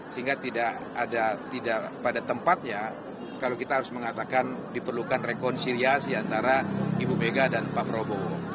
sehingga tidak pada tempatnya kalau kita harus mengatakan diperlukan rekonsiliasi antara ibu mega dan pak prabowo